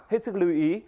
hết sức lưu ý